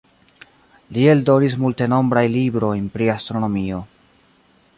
Li eldonis multenombraj librojn pri astronomio.